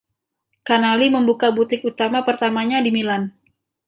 Canali membuka butik utama pertamanya di Milan.